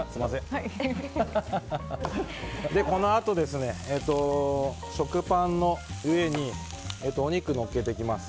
このあと、食パンの上にお肉のっけていきます。